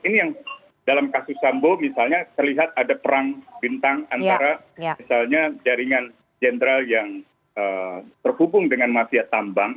ini yang dalam kasus sambo misalnya terlihat ada perang bintang antara misalnya jaringan jenderal yang terhubung dengan mafia tambang